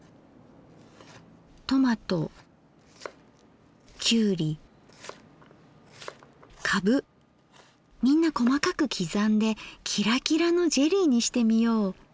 トマトきゅうりカブみんな細かく刻んでキラキラのジェリーにしてみよう。